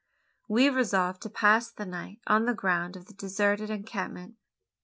We resolved to pass the night on the ground of the deserted encampment.